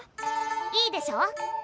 いいでしょ？